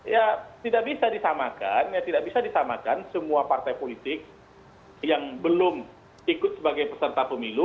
ya tidak bisa disamakan ya tidak bisa disamakan semua partai politik yang belum ikut sebagai peserta pemilu